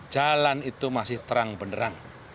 jalan itu masih terang benderang